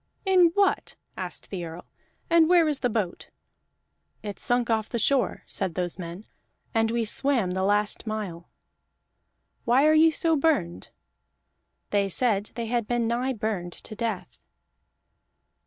"In what?" asked the Earl. "And where is the boat?" "It sunk off the shore," said those men, "and we swam the last mile." "Why are ye so burned?" They said they had been nigh burned to death.